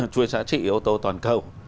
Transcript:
thuế giá trị ô tô toàn cầu